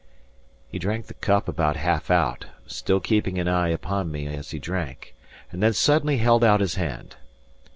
He drank the cup about half out, still keeping an eye upon me as he drank; and then suddenly held out his hand.